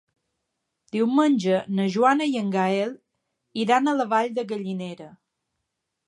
Diumenge na Joana i en Gaël iran a la Vall de Gallinera.